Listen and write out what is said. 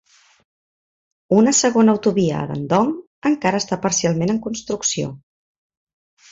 Una segona autovia a Dandong encara està parcialment en construcció.